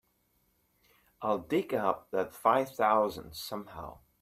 I'll dig up that five thousand somehow.